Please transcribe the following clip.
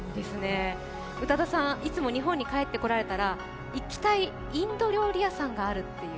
宇多田さん、いつも日本に帰ってこられたら行きたいインド料理屋さんがあるという。